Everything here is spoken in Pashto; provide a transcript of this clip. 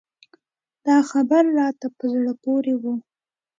دا خبر راته په زړه پورې و.